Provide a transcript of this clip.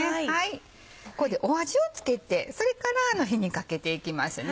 ここで味を付けてそれから火にかけていきますね。